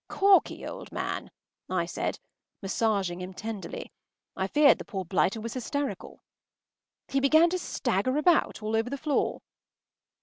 “Corky, old man!” I said, massaging him tenderly. I feared the poor blighter was hysterical. He began to stagger about all over the floor.